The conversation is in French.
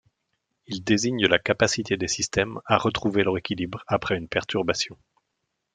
Il désigne la capacité des systèmes à retrouver leur équilibre après une perturbation.